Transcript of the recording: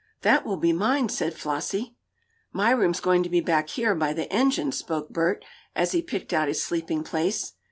"That will be mine," said Flossie. "My room's going to be back here, by the engine," spoke Bert, as he picked out his sleeping place.